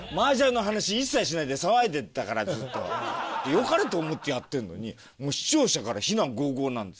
よかれと思ってやってるのに視聴者から非難ごうごうなんですよ。